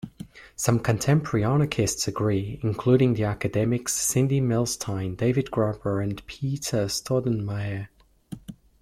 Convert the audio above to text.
Some contemporary anarchists agree, including the academics Cindy Milstein, David Graeber, and Peter Staudenmeier.